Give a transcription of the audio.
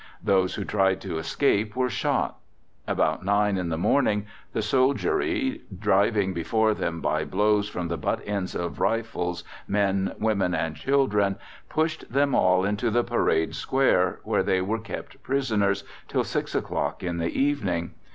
Those who tried to escape were shot. About 9 in the morning the soldiery, driving before them by blows from the butt ends of rifles men, women, and children, pushed them all into the Parade Square, where they were kept prisoners till 6 o'clock in the evening.